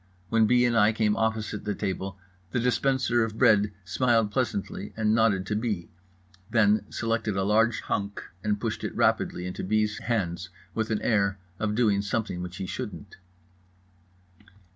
When B. and I came opposite the table the dispenser of bread smiled pleasantly and nodded to B., then selected a large hunk and pushed it rapidly into B.'s hands with an air of doing something which he shouldn't.